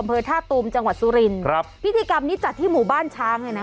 อำเภอท่าตูมจังหวัดสุรินครับพิธีกรรมนี้จัดที่หมู่บ้านช้างเลยนะ